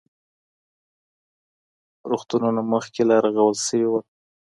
روغتونونه مخکې لا رغول سوي وو.